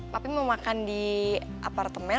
tapi mau makan di apartemen